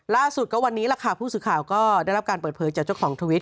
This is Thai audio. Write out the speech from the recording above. ล่าสุดก็วันนี้ล่ะค่ะผู้สื่อข่าวก็ได้รับการเปิดเผยจากเจ้าของทวิต